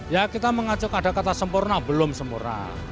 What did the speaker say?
ya kita mengacaukan ada kata sempurna belum sempurna